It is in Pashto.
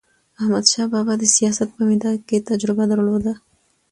احمدشاه بابا د سیاست په میدان کې تجربه درلوده.